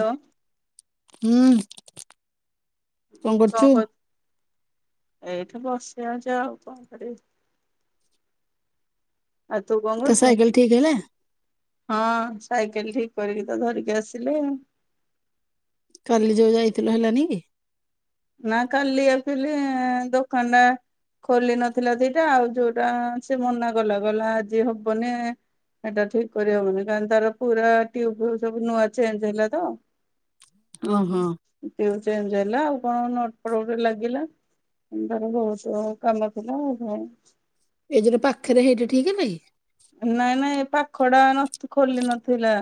ତ ହୁଁ। କଣ କରୁ ଆଉ ତୁ କଣ ତୋ କରୁଚୁ? ସାଇକେଲ ଠିକ ହେଲା ହଁ ସାଇକେଲ ଠିକ୍ କରିକି ତ ଧରିକି ଆସିଲେ ଆ କାଲି ଯୋଉ ଯାଇଥିଲ ହେଲାନି କି? ନା କାଲି ଆସିଲେ ଦୋକାନ ଟା ଖୋଲି ନଥିଲା ଦିଟା ଆଉ ଯୋଉଟା ସେ ମନା କଲା ଗଲା ଆଜି ହବନି। ଏଇଟା ଠିକ୍ କରିହବନି କାଇଁ ତାର ପୁରା ଟିୟୁ ଫ୍ୟୁ ସବୁ ନୂଆ ଚେଞ୍ଜ ହେଲା ତ। ଅଁ ହଁ। ଟିୟୁ ଚେଞ୍ଜ ହେଲା ଆଉ। କଣ ନଟଫଟ୍ ଗୋଟେ ଲାଗିଲା ତାର ବହୁତ କାମ ଥିଲା ଆ ଭ ଏଇ ଯୋଉ ପାଖେରେ ହେଇଠି ଠିକ୍ ହେଲା କି? ନାଇଁ ନାଇଁ ପାଖ ଟା ନ ଖୋଲି ନଥିଲା।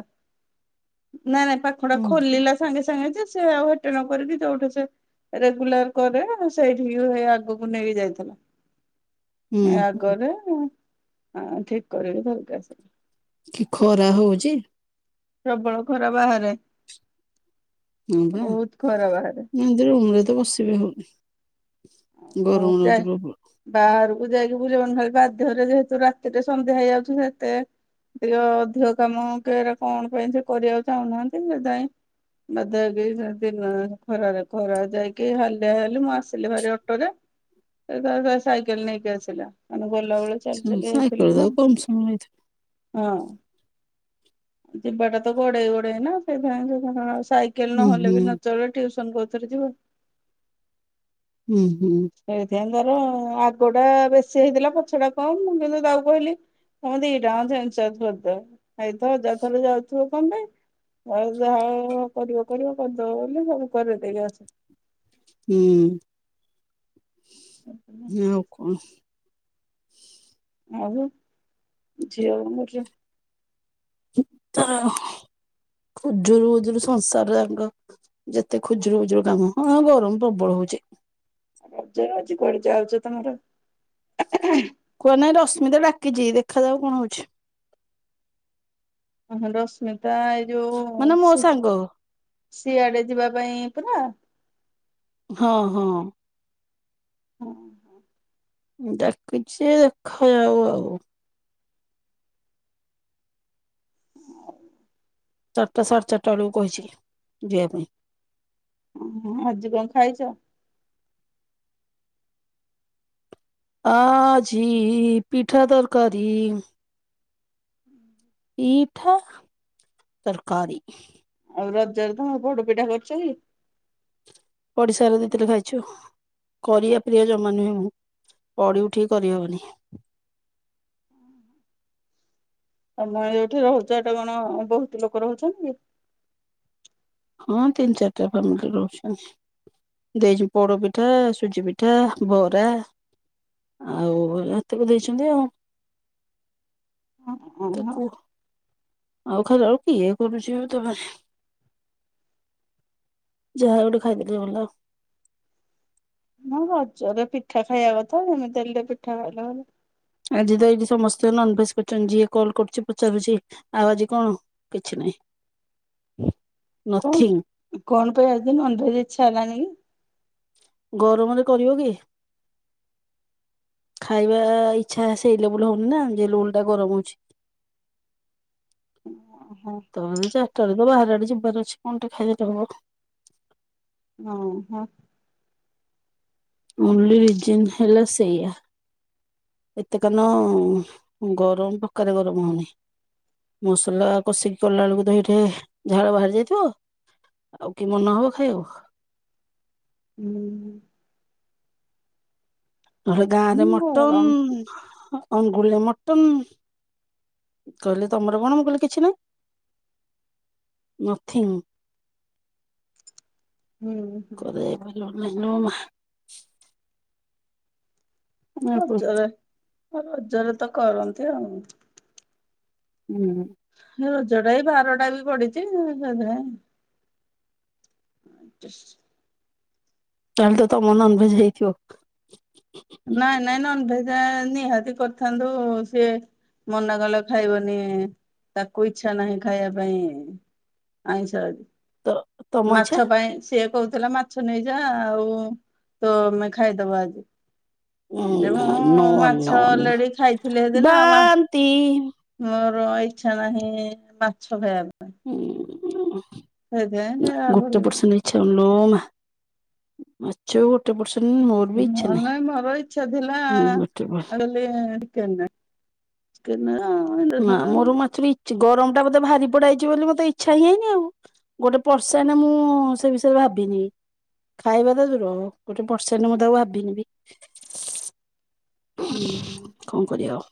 ନାଇଁ ନାଇଁ ପାଖ ଟା ହୁଁ ଖୋଲିଲା ସାଙ୍ଗେ ସାଙ୍ଗେ ଯେ ସେ ଆଉ ହେଟେ ନ କରିକି ଯୋଉଠୁ ସେ ରେଗୁଲାର କରେ ସେଇଠିକି ସେ ଆଗୁକୁ ନେଇକି ଯାଇଥିଲା। ହୁଁ ଆଗରେ ଠିକ୍ କରିବି ଘରୁକୁ ଆସିଲି। କି ଖରା ହଉଚି। ପ୍ରବଳ ଖରା ବାହାରେ। ହଁ ବା ବହୁତ ଖରା ବାହାରେ ଏନ୍ତି ରୁମ ରେ ତ ବସି ବି ହଉନି। ଆ ଗରମ ଚା ଲାଗୁଛି ପ୍ରବଳ ବାହାରୁକୁ ଯାଇକି ବୁଲିବନ ଖାଲି ବାଧ୍ୟରେ ଯେହେତୁ ରାତିରେ ସନ୍ଧ୍ୟା ହେଇଯାଉଚି ସେତେ ଟିକେ ଅଧିକ କାମ କେରେ କଣ ପାଇଁ ସେ କରିଆକୁ ଚାହୁଁନାହାନ୍ତି ସେ ଯାଇ ବାଧ୍ୟ ହେଇକି ଦିନ ଖରାରେ ଖରା ଯାଇକି ହାଲିଆ ହେଲି ମୁଁ ଆସିଲି ଭାରି ଅ ଟୋରେ ଏ ତାର ତା ସାଇକେଲ ନେଇକି ଆସିଲା। ମାନେ ଗଲାବେଳେ ଚାଲି ଚାଲି ସାଇକେଲ ଯାଇଥିଲି ଯାକ ନା କମ ସମୟ ହେଇଥିବ ହଁ। ଯିବାଟା ତ ଗଡେଇ ଗଡେଇ ନା ସେଇଥିାଇଁ ଯ କେଲ ହୁଁ ନହଲେ ହୁଁ ବି ନ ଚଳେ ଟ୍ୟୁସନ କୋଉ ଥେରେ ଯିବ। ହୁଁ ହୁଁ। ସେଇଥିାଇଁ ତାର ଆଗଟା ବେଶୀ ହେଇଥିଲା ପଛଟା କମ୍ ମୁଁ କିନ୍ତୁ ତାକୁ କହିଲି ତମେ ଦିଟା ଆକ ଚେଞ୍ଜ ଚାଞ୍ଚ କରିଦବ ଏଇଥ ଯଥହଲେ ଯାଉଥିବ କଣ ପାଇଁ। ଆଉ ଯାହା କରିବ କରିବ କରିଦବ ବୋଲି ସବୁ କରେଇ ଦେଇକି ଆସ। ହୁଁ। ଆଉ କଣ? ଆ ଝିଅ କଣ କରୁଚି? ତ ଉଜରୁ ଉଜରୁ ସଂସାର ଯାଙ୍କ ଯେତେ ଖୁଜୁରୁ ଖୁଜୁରୁ କାମ ହଁ ଗରମ ପ୍ରବଳ ହଉଚି। ରଜ ଆଜି କୁଆଡେ ଯାଉଚ ତମର? କୁଆଡେ ନାହିଁ ରଶମିତା ଡାକିଚି ଦେଖାଯାଉ କଣ ହଉଛି। ହଁ ହଁ ରଶ୍ମିତା ଏଇ ଯୋଉ ମାନେ ମୋ ସେ ସାଙ୍ଗ ସିଆଡେ ଯିବା ପାଇଁ ପୁରା। ହଁ ହଁ। ହଁ। ଡାକିଚି ଦେଖାଯାଉ ଆଉ। ହଁ। ଚାରିଟା ସାଢେ ଚାରିଟା ବେଳୁକୁ କହିଛି ଯିବା ପାଇଁ। ଅଁ ହଁ ଆଜି କଣ ଖାଇଚ? ଆଜି ପିଠା ତରକାରୀ। ପିଠା ତରକାରୀ। ଆଉ ରଜରେ ତମେ ପୋଡପିଠା କରୁଛ କି? ପଡିଶା ଘର ଦେଇଥିଲେ ଖାଇଛୁ। କରିବା ପ୍ରିୟ ଜମା ନୁହେଁ ମୁଁ ପଢି ଉଠିକି କରିହବନି। ତମ ଯୋଉଠି ରହୁଛ ହେଟି କଣ ବହୁତ ଲୋକ ରହୁଛନ୍ତି। ହଁ ତିନି ଚାରିଟା ଫ୍ୟାମିଲି ରହୁଛନ୍ତି। ଦେଇଛି ପୋଡପିଠା ସୁଜି ପିଠା ବରା। ଆଉ ଏତିକି ଦେଇଛନ୍ତି ଆଉ ତାକୁ ହଁ। ଆଉ ଖାଲି ଆଉ କି ଇଏ କରୁଛି [inaudible] ଯାହା ଗୋଟେ ଖାଇଦେଲେ ଗଲା ଆଉ ହଁ ରଜରେ ପିଠା ଖାଇବା କଥା ଯେମିତି ହେଲେ ପିଠା ଖାଇଲା। ଆଜି ତ ଏଇଠି ସମସ୍ତେ ନନଭେଜ କରିଛନ୍ତି ଯିଏ କଲ୍ କରୁଛି ପଚାରୁଛି ଆଉ ଆଜି କଣ? କିଛି ନାହିଁ। ନଥିଙ୍ଗ କଣ କଣ ପାଇଁ ଆଜି ନନଭେଜ୍ ଇଚ୍ଛା ହେଲାନି? ଗରମରେ କରିବ କିଏ? ଖାଇବା ଇଚ୍ଛା ସେଇ ଲେବୁଲ ହଉନି ନା ଯେ ଓଲଟା ଗରମ ହଉଛି। ଓହୋ। ତ ଚାରିଟାଆଳୁ ତ ବାହାରଆଡେ ଯିବାର ଅଛି କଣଟିକେ ଖାଇଦେଲେ ହବ। ହଁ ହଁ। ଓନ୍ଲି ରିଜନ୍ ହେଲା ସେଇଆ। ଏତେ କାନ ଗରମ ପକାରେ ଗରମ ହଉନି। ମସଲା କଷିକି କଲା ବେଳକୁ ତ ହେଇଠେ ଝାଳ ବାହାରି ଯାଇଥିବ। ଆଉ କି ମନ ହବ ଖାଇବାକୁ? ହୁଁ। ନହେଲେ ଗାଁରେ ହୁଁ ଗରମ ମଟନ। ଅଙ୍ଗୁଳି ମଟନ କହିଲେ ତମର କଣ ମୁଁ କହିଲି କିଛି ନାହିଁ। ନଥିଙ୍ଗ। ହୁଁ ହୁଁ [inaudible] ରଜରେ ରଜରେ ତ କରନ୍ତି ଆଉ ହୁଁ। ରଜଟା ଏଇ ବାରଟା ବି ପଡିଛି। ଜେସ୍। ତାହାଲେ ତମ ନନଭେଜ ହେଇଥିବ। ନାଇଁ ନାଇଁ ନନଭେଜଟା ନିହାତି କରିଥାନ୍ତୁ ସିଏ ମନା କଲେ ଖାଇବନି ତାକୁ ଇଛା ନାହିଁ ଖାଇବା ପାଇଁ। ଆଇଁଷ ଆଜି ତମ ଇଚ୍ଛା ମାଛ ପାଇଁ ସିଏ କହୁଥିଲା ମାଛ ନେଇଯା ଆଉ ତ ଆମେ ଖାଇଦବ ଆଜି। ଯେ ମୁଁ ନୋ ନୋ ମାଛ ଅଲରେଡି ଖାଇଥିଲି ହେଦିନ। ବାନ୍ତି ମୋର ଇଚ୍ଛା ନାହିଁ ମାଛ ଖାଇବାକୁ। [inaudible] ଛେ ଲୋ ସେଇଥିପାଇଁ ଯେ ଆଗରୁ ମା। ଝୁଅ ଗୋଟେ ପର୍ସେଣ୍ଟ ମୋର ବି ଇଚ୍ଛା ନହେଲେ ମୋର ଇଚ୍ଛା ଥିଲା ନାହିଁ ମୁଁ ଆଉ ଗୋଟେ ପର [inaudible] ଗରମଟା ମୋତେ ଭାରିପଡା ହେଇଛି ବୋଲି ମତେ ଇଚ୍ଛା ହିଁ ହେଇନି ଆଉ ଗୋଟେ ପରସେଣ୍ଟ ମୁଁ ସେ ବିଷୟରେ ଭାବିନି। ଖାଇବା ତ ଦୂର ହଉ ଗୋଟେ ପରସେଣ୍ଟ ମୁଁ ତାକୁ ଭାବିନି। ହୁଁ ହୁଁ। କଣ କରିବା ଆଉ?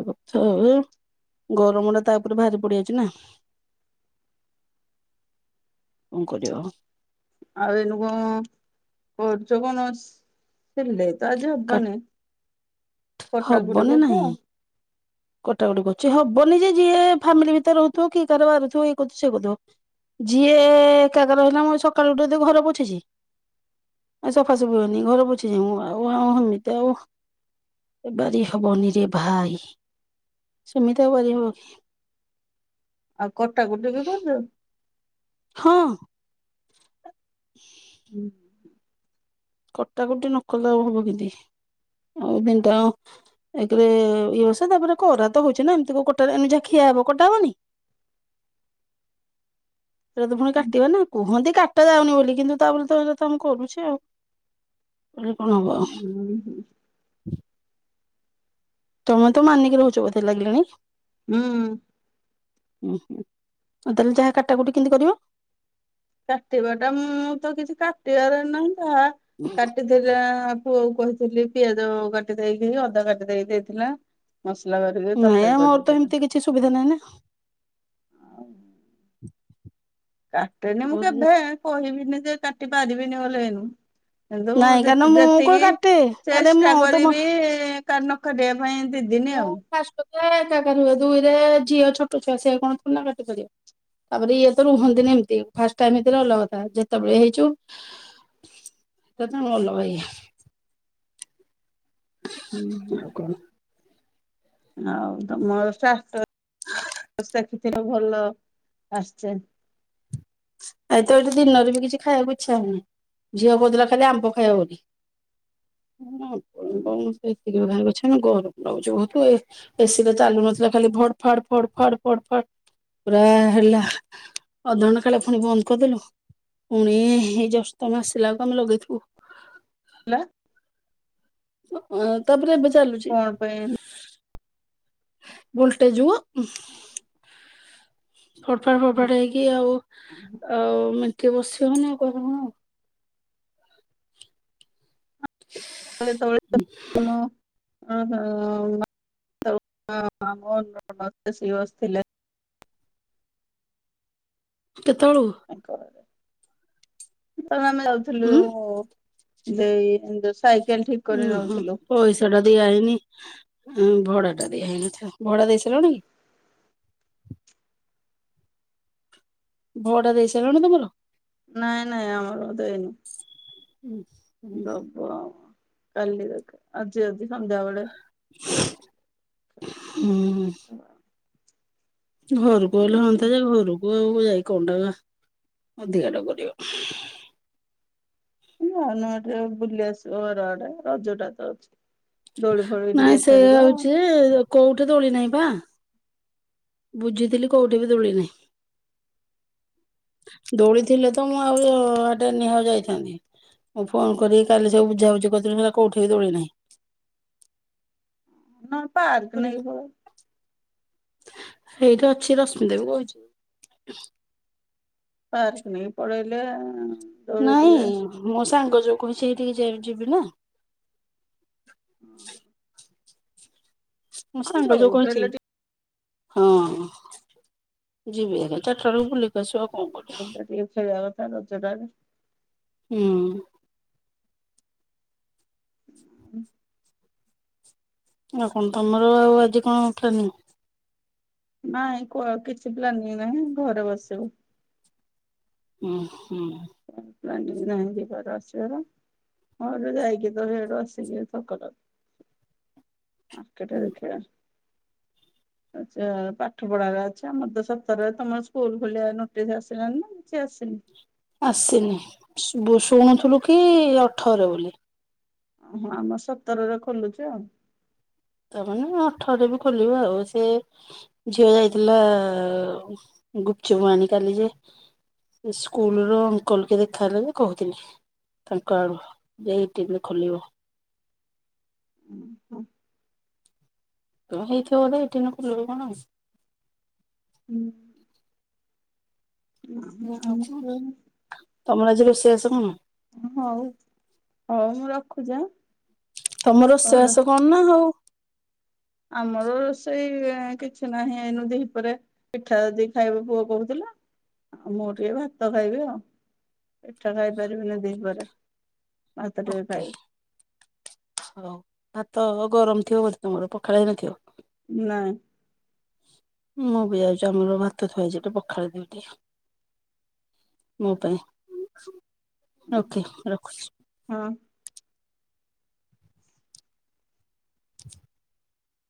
ଏ କଥା ଆଉ ଗରମଟା ତା ଉପରେ ଭାରି ପଡିଯାଇଛି ନା। କଣ କରିବ? ଆଉ ଏଇନୁ କଣ କରୁଚ କଣ? ସିଲେଇ। ତ ଆଜି ଆଉ ହବନି। କଟାକୁଟି କରୁଚ? କଟାକୁଟି କରୁଚି। ହବନି ଯେ ଯିଏ ଫ୍ୟାମିଲି ଭିତରେ ରହୁଥିବ କିଏ କାହାର ବାରୁଥିବ। ଇଏ କରୁଥିବ ସିଏ କରୁଥିବ। ଯିଏ ଏକାକା ରହିଲା ମୁଁ ଆଜି ସକାଳୁ ଉଠୁ ଉଠୁ ଘର ପୋଛିଚି। ଆ ସଫା ସୁଫି କରିବି। ଘର ପୋଛିିଚି ମୁଁ। ଆଉ ହଁ ହେମିତି ଆଉ‌ ଏ ବାରି ହବନି ରେ ଭାଇ। ସେମିତି ଆଉ ବାରି ହବ କି। ଆଉ କଟାକୁଟି କି କରୁଚୁ? ହଁ। ହୁଁ କଟାକୁଟି ନକଲେ ଆଉ ହବ କେନ୍ତି। ଆଉ। [unintelligible] ଏକ୍ ରେ ଇଏ ବସା। ତାପରେ କରା ତ ହଉଚି ନା ଏମିତି କୋଉ କଟା ରେ ଏମିତି ଯଉ ଖିଆ ହବ କଟା ହବନି। ଏରା ତ ପୁଣି କାଟିବା ନା। କୁହନ୍ତି କା ଟା ଯାଉନି ବୋଲି। କିନ୍ତୁ ତା ବୋଲି ତ ଏରା ତ ଆମେ କରୁଚେ ଆଉ। କହିଲେ କଣ ହବ ଆଉ। ତମେ ତ ମାନିକି ରହୁଚ ବୋଧେ ଲାଗିଲାଣି? ହୁଁ। ଉଁ ହୁଁ। ଆଉ ତାହେଲେ ଯାହା କାଟା କୁଟି କେମିତି କରିବ? କାଟିବା ଟା ମୁଁ ତ କିଛି କାଟିବାର ନାହିଁ। ଯାହା କାଟି [unintelligible] ପୁଅ କୁ କହିଥିଲି ପିଆଜ କାଟି ଦେଇକି ଅଦା କାଟି ଦେଇକି ଦେଇଥିଲା। ମସଲା କରିକି ନାଇଁ ତରକାରୀ ମୋର ତ କରିଦେଇଥିଲି। ଏମିତି କିଛି ସୁବିଧା ନାହିଁ ନା। ଆଉ କାଟେନି ମୁଁ ନା। କେବେ। କହିବିନି ଯେ କାଟି ପାରିବିନି ବୋଲି ଏଇନୁ। ସେଇଥି ଯୋଗୁ ନାଇଁ କାରଣ ଯେ ମୁଁ କଣ ଯେତିକି କାଟେ ଆରେ ମୁଁ ଚେଷ୍ଟା ଆଉ ତ ମୁଁ କରିବି କା ନକାଟିବା ପାଇଁ ଦି ଦିନି ଆଉ। [unintelligible] ଦୁଇରେ ଝିଅ ଛୋଟ ଛୁଆ ସେଏ କଣ ଥୋଡି ନା କାଟି ପାରିବ‌। ତାପରେ ଇଏ ତ ରୁହନ୍ତିନି ଏମିତି। ଫାଷ୍ଟ ଟାଇମ୍ ହେଇଥିଲେ ଅଲଗା କଥା। ଯେତେବେଳେ ହେଇଚୁ [unintelligible] ହୁଁ ହୁଁ। ଆଉ କଣ ଆଉ ତମ ଷ୍ଟାଟସ୍ ଦେଖି ଭଲ ଆସ୍ଚେ। ଆଜି ତ ଏଇଠି ଦିନରେ ବି କିଛି ଖାଇବାକୁ ଇଚ୍ଛା ହଉନି। ଝିଅ କହୁଥିଲା ଖାଲି ଆମ୍ବ ଖାଇବ ବୋଲି। [unintelligible] ହେଲା ଗରମ୍ ଲାଗୁଚି ବହୁତ୍ ଆଉ। ଏସିି ତ ଚାଲୁ ନଥିଲା। ଖାଲି ଭଡ୍ ଫାଡ୍ ଫଡ୍ ଫାଡ୍ ଫଡ୍ ଫାଡ୍ ପୁରା ହେଲା। ଅଧ ଘଣ୍ଟେ ସକାଳେ ପୁଣି ବନ୍ଦ କରିଦେଲୁ। ପୁଣି ଏଇ ଜଷ୍ଟ ତମେ ଆସିଲା ବେଳକୁ ଆମେ ଲଗେଇଥିବୁ। [unintelligible] ତାପରେ ଏବେ ଚାଲୁଚି। [unintelligible] ଭୋଲ୍ଟେଜ୍ ଯୋଗୁ ଫଡ୍ ଫାଡ୍ ଫଡ୍ ଫାଡ୍ ହେଇକି ଆଉ ଆଉ ମିନିଟିଏ ବସି ହଉନି, ଆଉ କହିଲେ କଣ ହବ। [unintelligible] [unintelligible] କେତେବେଳୁ? ଆମେ ଯାଉଥିଲୁ ଉଁ ଯୋଉ ଦେଇ। [unintelligible] ସାଇକେଲ୍ ଠିକ୍ କରି ଓହୋ ନଉଥିଲୁ। ପଇସା ଟା ଦିଆହେଇନି। ଭଡା ଟା ଦିଆ ହେଇନଥିବ। ଭଡା ଦେଇ ସାରିଲଣି କି? ଭଡ଼ା ଦେଇ ସାରିଲଣି ତମର? ନାଇଁ ନାଇଁ ଆମର ଦେଇନୁ। ହୁଁ। ଦବ କାଲିର ଆଜିର ବି ସନ୍ଧ୍ୟାବେଳେ। ହୁଁ। ଘରକୁ ହେଲେ ହୁଅନ୍ତା ଯେ ଘରକୁ ଆଉ ଯାଇ କଣଟା ଅଧିକା ଟା କରିବ। ଯାଉନ ଏଟେ ବୁଲି ଆସିବ ଘର ଆଡେ ରଜ ଟା ତ ଅଛି। ଦୋଳି ଫୋଳି ନାଇଁ ଟିକେ ସେ ଖେଳିବ ହଉଛି କୋଉଠି ଦୋଳି ନାହିଁ ପା। ବୁଝିଥିଲି କୋଉଠି ବି ଦୋଳି ନାହିଁ। ଦୋଳି ଥିଲେ ତ ମୁଁ ଆଉଟେ ନିହା ଯାଇଥାନ୍ତି। ମୁଁ ଫୋନ କରିକି କାଲି ସବୁ ବୁଝା ବୁଝି କରିଥିଲି ସେ କଉଠି ବି ଦୋଳି ନାହିଁ। ନ ପାର୍କ ନେଇକି ପଳେଇବ। ହେଇଠି ଅଛି ରଶ୍ମିତାକୁ କହିଛି। ପାର୍କ ନେଇକି ପଳେଇଲେ। ଦୋଳି ଟିକେ ନାଇଁ ମୋ ସାଙ୍ଗ ଯୋଉ କହିଛି ସେଇଠିକି ଯେ ଯିବି ନା। ହଁ। ମୋ ସାଙ୍ଗ ଯୋଉ ଯୋଉଠି କହିଛି। ହେଲେ ହଁ ଯିବି ଆରି ଚାରିଟା ବେଳକୁ ବୁଲିକି ଆ ସିଏ କଣ କରିବ। ରବିବାର ଟିକେ ଖେଳିବା କଥା ରବିବାର ଟା ଆଜି। ହୁଁ। ଆଉ କଣ ତମର ଆଉ ଆଜି କଣ ଖେନିବ। ନାଇଁ କୁଅ ଆଉ କିଛି ପ୍ଲାନିଂ ନାହିଁ ଘରେ ବସିବୁ। ହୁଁ ହୁଁ। ପ୍ଲାନିଙ୍ଗ ନାଇଁ କିଏ କୁଆଡେ ଆସିବାର। ହଁ ଏଠୁ ଯାଇକି ତ ରୋଷେଇ ବାସ କର। ମାର୍କେଟରେ ହୁଁ ଦେଖିବା। ଆଚ୍ଛା ପାଠ ପଢ଼ାର ଅଛି ଆମର ତ ସତରେ ତମର ସ୍କୁଲ ଖୋଲିବା ନୋଟିସ୍ ଆସିଲାଣିି ନା। କିଛି ଆସିନି। ଆସିନି ବୁ ଶୁଣୁଥିଲୁ କି ଅଠରେ ବୋଲି। ଓହୋ ଆମ ସତରରେ ଖୋଲୁଛି ଆଉ। ତାମାନେ ଅଠରରେ ବି ଖୋଲିବ ଆଉ ସେ ଝିଅ ଯାଇଥିଲା ଗୁପ୍ ଚୁପ୍ ଆଣି କାଲି ଯେ ସ୍କୁଲ ର ଅଙ୍କଲ କି ଦେଖା ହେଲା ଯେ କହୁଥିଲେ। ତାଙ୍କ ଆଡୁ ଏଇ ତିନିରେ ଖୋଲିବ। ତ ହେଇଥିବ ବୋଧେ ଏଠି ଦିନ ଖୋଲିବ କଣ। ହୁଁ। ଓହୋ। ତମର ଆଜି ରୋଷେଇ ବାସ କଣ। ହଉ ହଉ ମୁଁ ରଖୁଛି ଆଁ। ତମର ରୋଷେଇ ପରେ ବାସ କଣ ନା ହଉ। ଆମର ରୋଷେଇ କିଛି ନାହିଁ ଏନୁ ଦିହି ପରେ। ପିଠା ଯଦି ଖାଇବ ପୁଅ କହୁଥିଲା ଆଉ ମୁଁ ଟିକେ ଭାତ ଖାଇବି ଆଉ। ପିଠା ଖାଇ ପାରିବିନି ଦିହି ପରେ ଭାତ ଟିକେ ଓକେ ଖାଇବି। ଭାତ ଗରମ ଥିବ ବୋଧେ ତମର ପଖାଳ ହେଇନଥିବ। ନା। ମୁଁ ବି ଯାଉଛି ଆମର ଭାତ ଥୁଆଇଚି ଟେ ପଖାଳ ଦଉ ଟେ। ମୋ ପାଇଁ ଓକେ ରଖୁଛି। ହଁ।